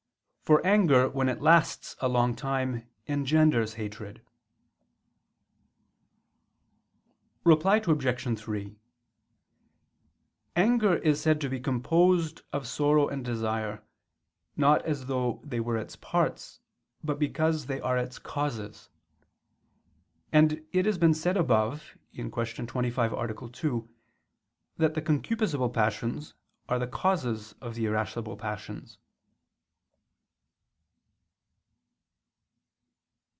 For anger when it lasts a long time engenders hatred. Reply Obj. 3: Anger is said to be composed of sorrow and desire, not as though they were its parts, but because they are its causes: and it has been said above (Q. 25, A. 2) that the concupiscible passions are the causes of the irascible passions.